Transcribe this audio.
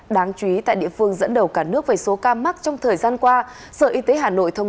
đáng chú ý tại địa phương dẫn đầu cả nước về số ca mắc trong thời gian qua sở y tế hà nội thông